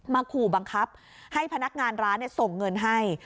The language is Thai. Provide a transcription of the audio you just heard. ขู่บังคับให้พนักงานร้านส่งเงินให้